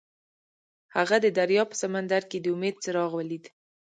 هغه د دریاب په سمندر کې د امید څراغ ولید.